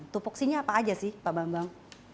tupuksinya apa aja sih pak bambang